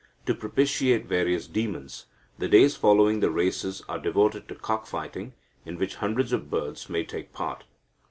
To propitiate various demons, the days following the races are devoted to cock fighting, in which hundreds of birds may take part.